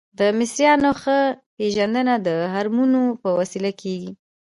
د مصریانو ښه پیژندنه د هرمونو په وسیله کیږي.